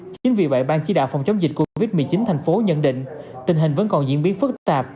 chính vì vậy ban chỉ đạo phòng chống dịch covid một mươi chín thành phố nhận định tình hình vẫn còn diễn biến phức tạp